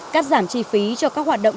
cắt giảm chi phí cho các hoạt động